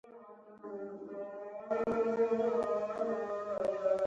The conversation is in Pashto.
دا جال ممکن د ملت غوڅه پرېکړه بيا له ازمایښت سره مخ کړي.